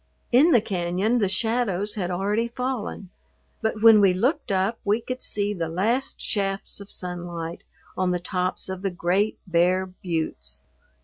In the cañon the shadows had already fallen, but when we looked up we could see the last shafts of sunlight on the tops of the great bare buttes.